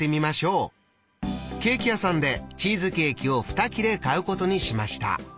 ケーキ屋さんでチーズケーキを２切れ買うことにしました。